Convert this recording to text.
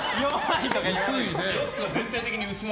薄いね。